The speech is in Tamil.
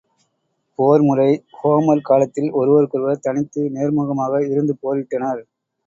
போர் முறை ஹோமர் காலத்தில் ஒருவருக்கொருவர் தனித்து நேர்முகமாக இருந்து போரிட்டனர்.